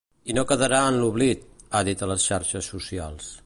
I no quedarà en l’oblit, han dit a les xarxes socials.